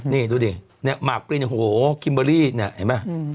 นี่ดูดิเนี่ยหมากปรินโหคิมเบอร์รี่เนี่ยเห็นไหม